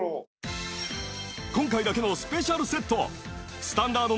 今回だけのスペシャルセット